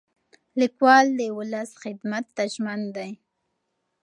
لیکوال د ولس خدمت ته ژمن دی.